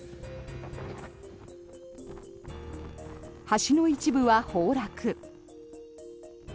橋の一部は崩落。